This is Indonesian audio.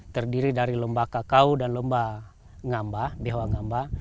terdiri dari lemba kakao dan lemba ngamba behoa ngamba